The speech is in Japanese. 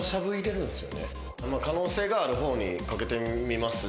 可能性がある方にかけてみます。